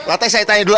latih saya tanya dulu